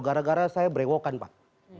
gara gara saya berewokan pak